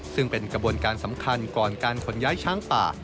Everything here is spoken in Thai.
ซึ่งเป็นกระบวนการสำคัญก่อนการขนย้ายช้างป่า